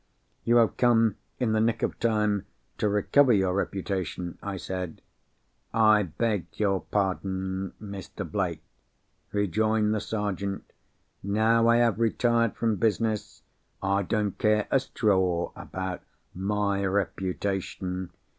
"You have come in the nick of time to recover your reputation," I said. "I beg your pardon, Mr. Blake," rejoined the Sergeant. "Now I have retired from business, I don't care a straw about my reputation.